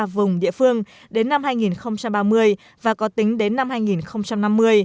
vùng địa phương đến năm hai nghìn ba mươi và có tính đến năm hai nghìn năm mươi